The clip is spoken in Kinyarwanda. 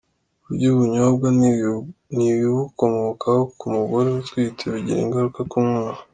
Kurya Ubunyobwa n’ibibukomokaho ku mugore utwite bigira ingaruka ku mwana